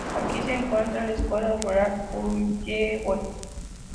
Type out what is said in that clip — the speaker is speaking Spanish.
Aquí se encuentra la Escuela Rural Puyehue.